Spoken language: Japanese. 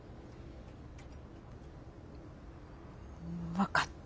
分かった。